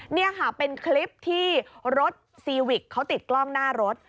นี่ค่ะเป็นคลิปที่รถซีวิกเขาติดกล้องหน้ารถ